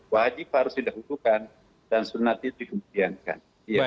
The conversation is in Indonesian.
wajib harus dihukumkan dan sunat itu dihubiankan